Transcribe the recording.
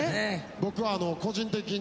僕は個人的に。